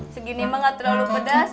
segini emang nggak terlalu pedes